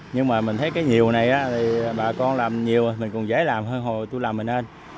nhưng mà mình thấy cái nhiều này thì bà con làm nhiều mình cũng dễ làm hơn hồi tôi làm mình lên